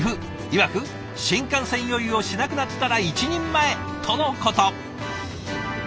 いわく新幹線酔いをしなくなったら一人前とのこと。